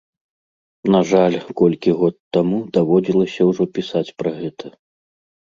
На жаль, колькі год таму даводзілася ўжо пісаць пра гэта.